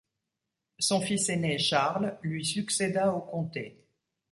Son fils aîné, Charles, lui succéda au comté.